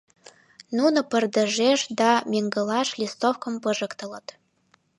Нуно пырдыжеш да меҥгылаш листовкым пижыктылыт.